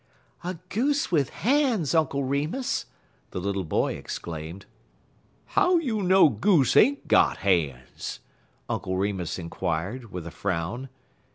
"A goose with hands, Uncle Remus!" the little boy exclaimed. "How you know goose ain't got han's?" Uncle Remus inquired, with a frown.